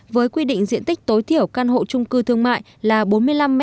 với quy định diện tích tối thiểu căn hộ trung cư thương mại là bốn mươi năm m hai